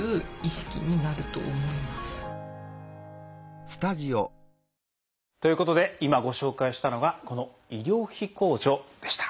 私みたいなということで今ご紹介したのがこの医療費控除でした。